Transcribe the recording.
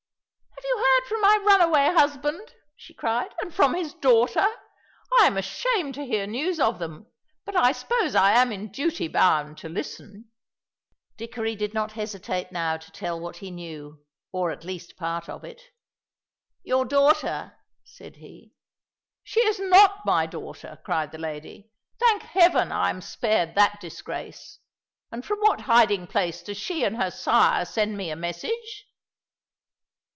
"Have you heard from my runaway husband," she cried, "and from his daughter? I am ashamed to hear news of them, but I suppose I am in duty bound to listen." Dickory did not hesitate now to tell what he knew, or at least part of it. "Your daughter " said he. "She is not my daughter," cried the lady; "thank Heaven I am spared that disgrace. And from what hiding place does she and her sire send me a message?"